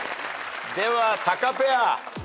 ではタカペア。